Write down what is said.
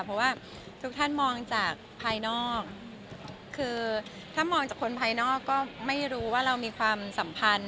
เพราะว่าทุกท่านมองจากภายนอกคือถ้ามองจากคนภายนอกก็ไม่รู้ว่าเรามีความสัมพันธ์